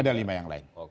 ada lima yang lain